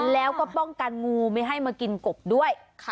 แล้วก็ป้องกันงูไม่ให้มากินกบด้วย